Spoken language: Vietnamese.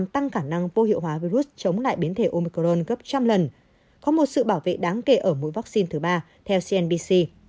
mũi ba đã làm tăng khả năng bô hiệu hóa virus chống lại biến thể omicron gấp trăm lần có một sự bảo vệ đáng kể ở mũi vaccine thứ ba theo cnbc